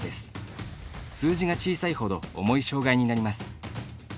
数字が小さいほど重い障がいになります。